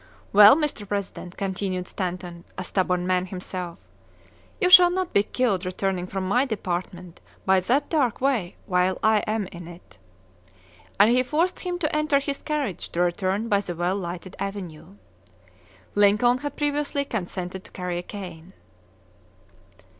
"Well, Mr. President," continued Stanton, a stubborn man himself, "you shall not be killed returning from my department by that dark way while I am in it!" And he forced him to enter his carriage to return by the well lighted avenue. Lincoln had previously consented to carry a cane.